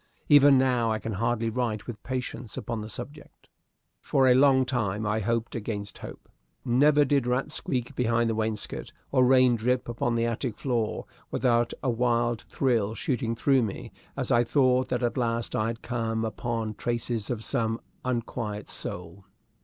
Even now I can hardly write with patience upon the subject. For a long time I hoped against hope. Never did rat squeak behind the wainscot, or rain drip upon the attic floor, without a wild thrill shooting through me as I thought that at last I had come upon traces of some unquiet soul.